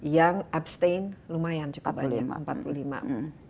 yang abstain lumayan cukup banyak empat puluh lima